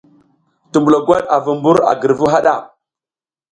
Tumbulo gwat a vu mbur a girvu haɗa.